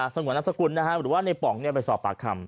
สงวนนามสกุลหรือว่าในป๋องไปสอบปากคำ